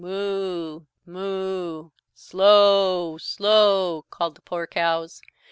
"Moo moo, slow slow!" called the poor cows.